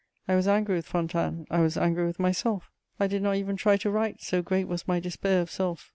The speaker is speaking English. I was angry with Fontanes; I was angry with myself; I did not even try to write, so great was my despair of self.